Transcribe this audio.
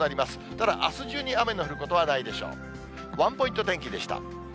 ただあす中に雨の降ることはないでしょう。